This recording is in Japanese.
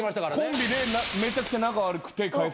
コンビでめちゃくちゃ仲悪くて解散したんで。